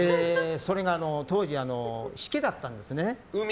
当時、しけだったんですね。